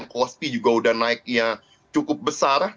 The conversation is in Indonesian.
kosti juga udah naiknya cukup besar